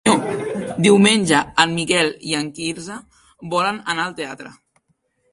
Diumenge en Miquel i en Quirze volen anar al teatre.